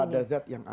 pada zat yang agung